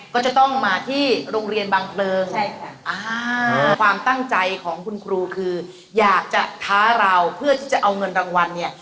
ก็จะต้องมาที่โรงเรียนบางเพลิงความตั้งใจของคุณครูคืออยากจะท้าเราเพื่อที่จะเอาเงินรางวัลเนี่ย